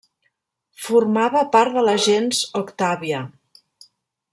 Formava part de la gens Octàvia.